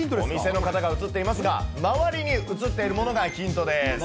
お店の方が写っていますが、周りに写っているものがヒントです。